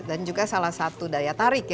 dan juga salah satu daya tarik